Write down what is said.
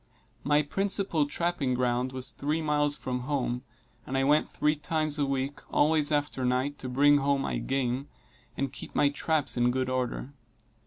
My principal trapping ground was three miles from home, and I went three times a week, always after night, to bring home my game, and keep my traps in good order.